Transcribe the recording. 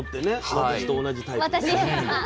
私と同じタイプなんですよね。